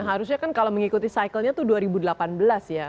harusnya kan kalau mengikuti cycle nya itu dua ribu delapan belas ya